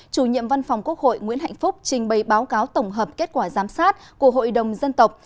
chủ nhiệm văn phòng quốc hội nguyễn hạnh phúc trình bày báo cáo tổng hợp kết quả giám sát của hội đồng dân tộc